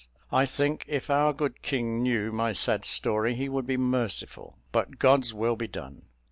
I think if our good king knew my sad story, he would be merciful; but God's will be done!